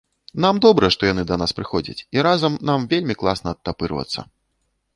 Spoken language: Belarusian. Нам добра што яны да нас прыходзяць, і разам нам вельмі класна адтапырвацца.